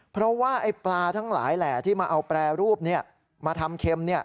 เพราะว่าไอ้ปลาทั้งหลายแหล่ที่มาเอาแปรรูปมาทำเค็ม